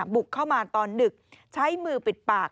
บุกเข้ามาตอนดึกใช้มือปิดปาก